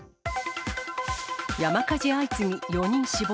山火事相次ぎ４人死亡。